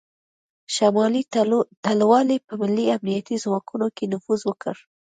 شمالي ټلوالې په ملي امنیتي ځواکونو کې نفوذ وکړ